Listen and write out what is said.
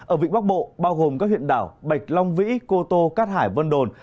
ở vịnh bắc bộ bao gồm các huyện đảo bạch long vĩ cô tô cát hải vân đồn